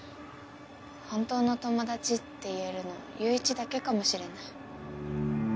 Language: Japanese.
本当の友達って言えるの友一だけかもしれない。